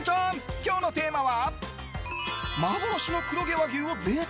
今日のテーマは。